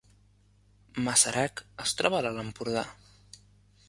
Masarac es troba a l’Alt Empordà